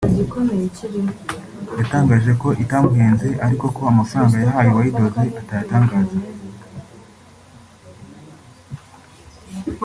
yatangaje ko itamuhenze ariko ko amafaranga yahaye uwayidoze atayatagaza